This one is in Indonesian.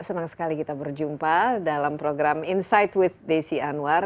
senang sekali kita berjumpa dalam program insight with desi anwar